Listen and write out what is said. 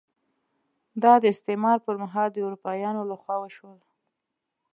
دا د استعمار پر مهال د اروپایانو لخوا وشول.